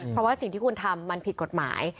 เพราะว่าสิ่งที่คุณทำมันผิดกฎหมาย